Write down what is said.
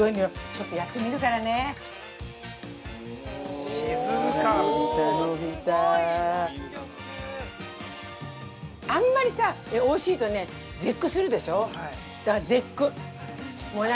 ちょっとやってみるからねほら、伸びた伸びたあんまりさ、おいしいとね絶句するでしょう。